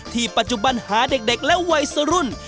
ปัจจุบันหาเด็กและวัยสรุ่น